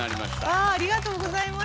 わあありがとうございます。